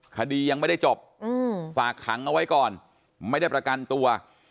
คดียังไม่ได้จบฝากขังเอาไว้ก่อนไม่ได้ประกันตัว